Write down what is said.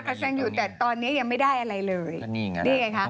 ฮาราคาซังอยู่แต่ตอนนี้ยังไม่ได้อะไรเลยนี่ไงค่ะ